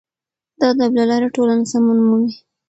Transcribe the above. د ادب له لارې ټولنه سمون مومي.